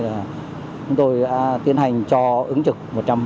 chúng tôi tiến hành cho ứng trực một trăm linh